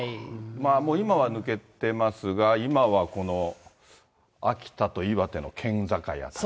もう今は抜けてますが、今はこの秋田と岩手の県境辺り。